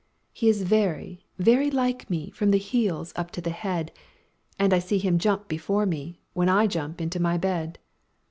He is very, very like me from the heels up to the head; And I see him jump before me, when I jump into my bed.